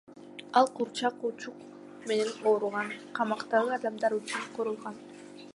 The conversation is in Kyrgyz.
Ал кургак учук менен ооруган камактагы адамдар үчүн курулган.